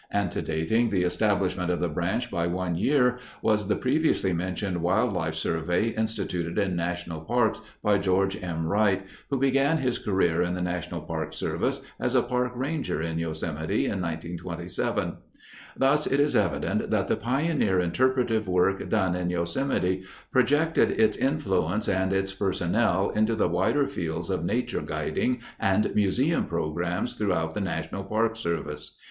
Antedating the establishment of the branch by one year was the previously mentioned wildlife survey instituted in national parks by George M. Wright, who began his career in the National Park Service as a park ranger in Yosemite in 1927. Thus it is evident that the pioneer interpretive work done in Yosemite projected its influence and its personnel into the wider fields of "nature guiding" and museum programs throughout the National Park Service.